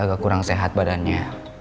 aku juga kurang sehat badannya